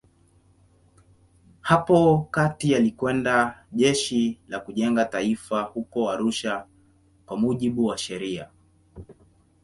Hapo kati alikwenda Jeshi la Kujenga Taifa huko Arusha kwa mujibu wa sheria.